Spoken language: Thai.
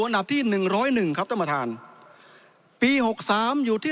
อันดับที่หนึ่งร้อยหนึ่งครับท่านประธานปีหกสามอยู่ที่